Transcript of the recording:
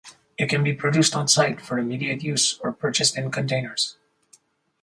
It can be produced on site for immediate use or purchased in containers.